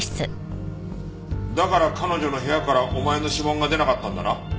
だから彼女の部屋からお前の指紋が出なかったんだな？